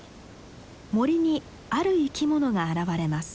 森にある生き物が現れます。